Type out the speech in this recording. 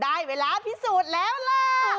ได้เวลาพิสูจน์แล้วล่ะ